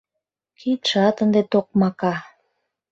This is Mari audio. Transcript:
Кидшат ынде токмака...